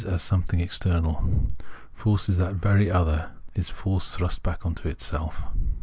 as something external ; force is that very other, is force thrust back into itself.